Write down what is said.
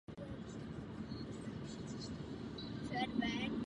Keynes se snažil nahradit tyto tři aspekty klasické teorie.